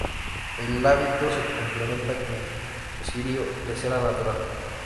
El hábito se complementa con cirio de cera natural.